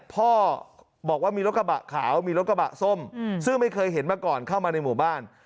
พ่อบอกว่ามีรถกระบะขาวมีรถกระบะส้มซึ่งไม่เคยเห็นมาก่อนเข้ามาในหมู่บ้าน